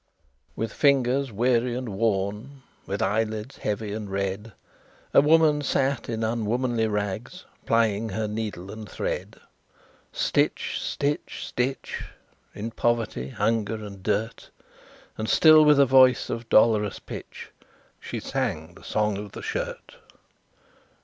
With fingers weary and worn, With eyelids heavy and red, A woman sat, in unwomanly rags, Plying her needle and thread Stitch! stitch! stitch! In poverty, hunger, and dirt, And still with a voice of dolorous pitch She sang the "Song of the Shirt."